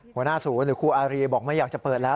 หัวหน้าศูนย์หรือครูอารีบอกไม่อยากจะเปิดแล้ว